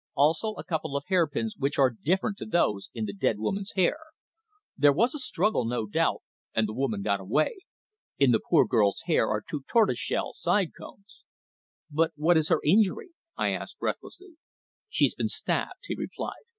Also a couple of hair pins, which are different to those in the dead woman's hair. There was a struggle, no doubt, and the woman got away. In the poor girl's hair are two tortoiseshell side combs." "But what is her injury?" I asked breathlessly. "She's been stabbed," he replied.